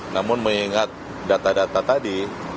namun mengingat data data tadi